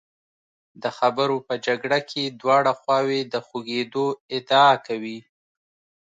د خبرو په جګړه کې دواړه خواوې د خوږېدو ادعا کوي.